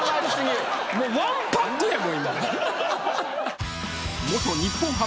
ワンパックやもん今。